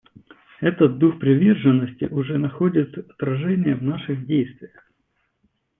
Этот дух приверженности уже находит отражение в наших действиях.